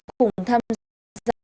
cùng tham gia đối tượng